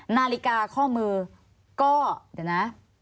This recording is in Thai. นาฬิกาข้อมือก็เดี๋ยวนะ